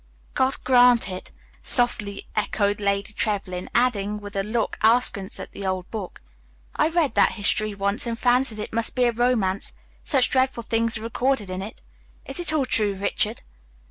"God grant it!" softly echoed Lady Trevlyn, adding, with a look askance at the old book, "I read that history once, and fancied it must be a romance, such dreadful things are recorded in it. Is it all true, Richard?"